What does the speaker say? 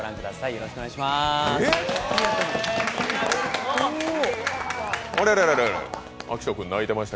よろしくお願いします。